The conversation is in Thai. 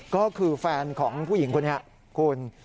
ก็คือแฟนของผู้หญิงคนนี้คุณ